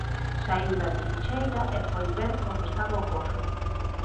Saíu da trincheira e foi ver como estaba o pozo.